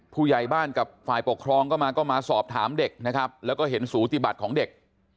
ผู้ใหญ่บ้านกับฝ่ายปกครองก็มาก็มาสอบถามเด็กนะครับแล้วก็เห็นสูติบัติของเด็ก